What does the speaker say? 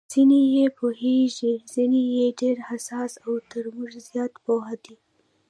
ځینې یې پوهېږي، ځینې یې ډېر حساس او تر موږ زیات پوه دي.